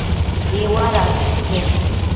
Iuadabi ique